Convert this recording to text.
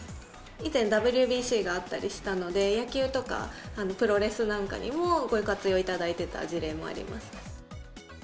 以前、ＷＢＣがあったりしたので、野球とか、プロレスなんかにも、ご活用いただいていた事例もあります。